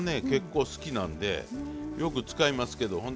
結構好きなんでよく使いますけど。